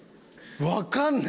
わかんねえ。